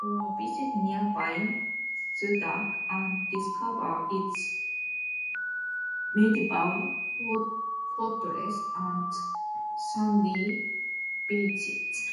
Or visit nearby Sudak and discover its medieval fortress and sandy beaches.